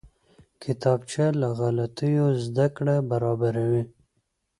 کتابچه له غلطیو زده کړه برابروي